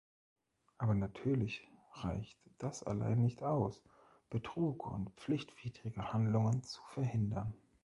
Aber natürlich reicht das allein nicht aus, Betrug und pflichtwidrige Handlungen zu verhindern.